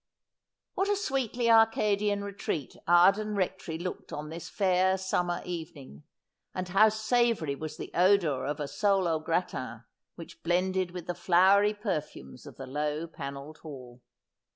What a sweetly Arcadian retreat Arden Rectory looked on this fair summer evening, and how savoury was the odour of a sole an gratin which blended with the flowery perfumes of the low panelled hall